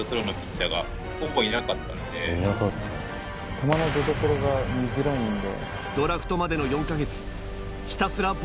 球の出どころが見づらいんで。